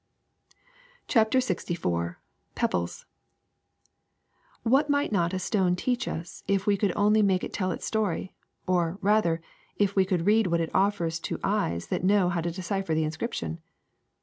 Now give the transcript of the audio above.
CHAPTER LXIV PEBBLES WHAT might not a stone teach us if we could only make it tell its story; or, rather, if we could read what it offers to eyes that know how to decipher the inscription!